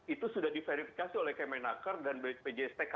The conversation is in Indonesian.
itu sudah diverifikasi oleh kemenaker dan bpjstk